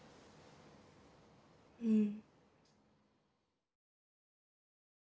うん。